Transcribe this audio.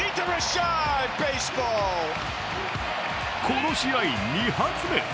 この試合２発目。